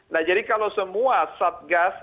nah jadi kalau semua satgas